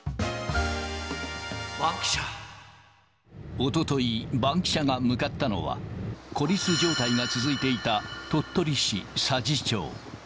おととい、バンキシャが向かったのは、孤立状態が続いていた鳥取市佐治町。